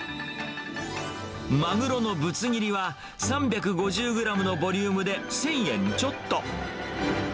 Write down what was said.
まぐろのぶつ切りは３５０グラムのボリュームで１０００円ちょっと。